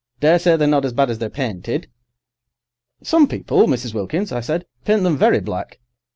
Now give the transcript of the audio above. Daresay they're not as bad as they're painted." "Some people, Mrs. Wilkins," I said, "paint them very black.